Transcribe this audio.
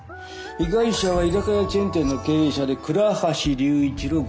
被害者は居酒屋チェーン店の経営者で倉橋龍一郎５１歳。